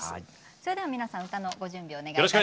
それでは皆さん歌のご準備をお願いいたします。